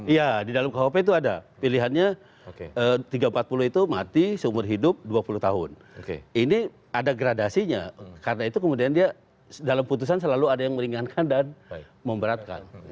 iya di dalam kuhp itu ada pilihannya tiga ratus empat puluh itu mati seumur hidup dua puluh tahun ini ada gradasinya karena itu kemudian dia dalam putusan selalu ada yang meringankan dan memberatkan